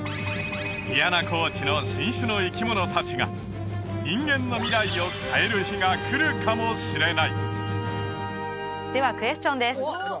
ギアナ高地の新種の生き物達が人間の未来を変える日が来るかもしれないではクエスチョンです